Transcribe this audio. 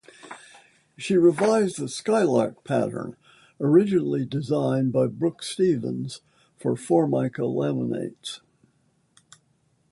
She revised the Skylark pattern originally designed by Brooks Stevens for Formica laminates.